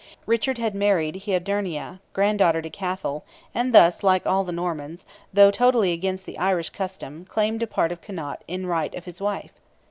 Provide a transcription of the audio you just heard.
Richard had married Hodierna, granddaughter to Cathal, and thus, like all the Normans, though totally against the Irish custom, claimed a part of Connaught in right of his wife.